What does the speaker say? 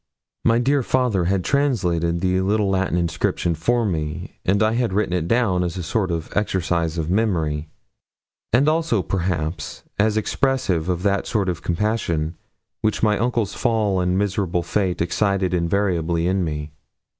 My dear father had translated the little Latin inscription for me, and I had written it down as a sort of exercise of memory; and also, perhaps, as expressive of that sort of compassion which my uncle's fall and miserable fate excited invariably in me.